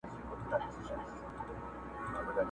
د خالي دېگ ږغ لوړ وي.